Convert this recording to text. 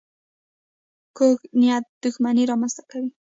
کوږ نیت دښمني رامنځته کوي